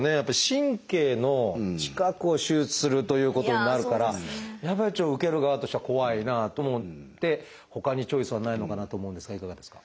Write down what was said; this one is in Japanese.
神経の近くを手術するということになるからやっぱりちょっと受ける側としては怖いなと思ってほかにチョイスはないのかなと思うんですがいかがですか？